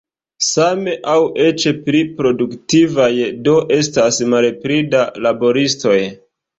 Same aŭ eĉ pli produktivaj do estas malpli da laboristoj.